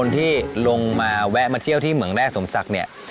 ที่ลงมาแวะมาเที่ยวที่เหมืองแร่สมศักดิ์เนี่ย